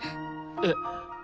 えっ。